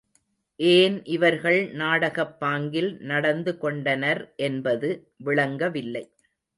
ஏன் இவர்கள் நாடகப் பாங்கில் நடந்து கொண்டனர் என்பது விளங்கவில்லை.